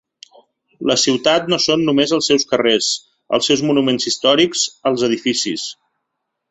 La ciutat no són només els seus carrers, els seus monuments històrics, els edificis.